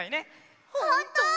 ほんと？